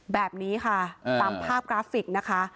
แบบนี้ค่ะตามภาพกราฟิกนะคะ